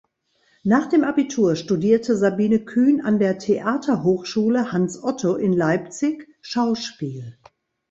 Nach dem Abitur studierte Sabine Kühn an der Theaterhochschule „Hans Otto“ in Leipzig Schauspiel.